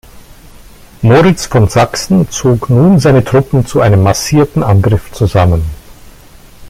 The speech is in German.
Moritz von Sachsen zog nun seine Truppen zu einem massierten Angriff zusammen.